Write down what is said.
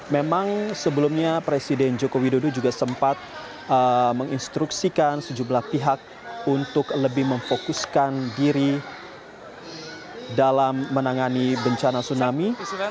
memang sebelumnya presiden joko widodo juga sempat menginstruksikan sejumlah pihak untuk lebih memfokuskan diri dalam menangani bencana tsunami